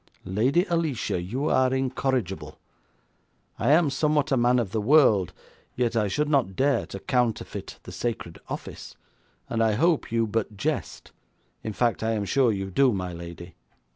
'Lady Alicia, you are incorrigible. I am somewhat of a man of the world, yet I should not dare to counterfeit the sacred office, and I hope you but jest. In fact, I am sure you do, my lady.'